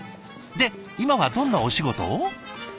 で今はどんなお仕事を？